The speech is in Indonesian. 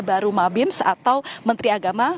baru mabims atau menteri agama